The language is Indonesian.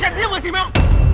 kamu bisa diem gak sih mel